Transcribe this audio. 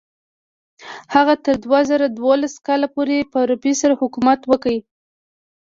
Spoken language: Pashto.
هغه تر دوه زره دولس کال پورې پر مصر حکومت وکړ.